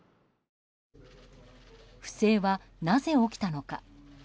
不正はなぜ起きたのか。